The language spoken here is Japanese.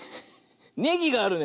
ネギがあるね。